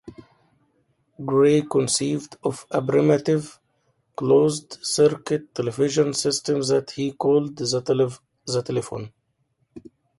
Gray conceived of a primitive closed-circuit television system that he called the "telephote".